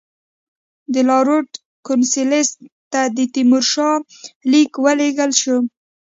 د لارډ کورنوالیس ته د تیمورشاه لیک ولېږل شو.